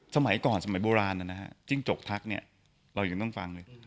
สมัยก่อนสมัยโบราณนะฮะจิ้งจกทักเนี่ยเรายังต้องฟังเลย